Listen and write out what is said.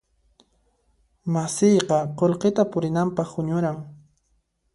Masiyqa qullqita purinanpaq huñuran.